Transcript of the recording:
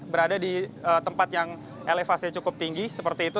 berada di tempat yang elevasinya cukup tinggi seperti itu